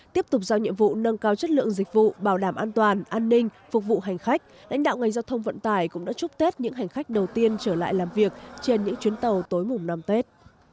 tiếp tục giao nhiệm vụ nâng cao chất lượng dịch vụ bảo đảm an toàn an ninh phục vụ hành khách lãnh đạo ngành giao thông vận tải cũng đã chúc tết những hành khách đầu tiên trở lại làm việc trên những chuyến tàu tối mùng năm tết